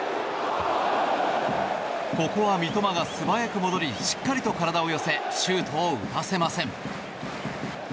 ここは三笘が素早く戻りしっかりと体を寄せシュートを打たせません。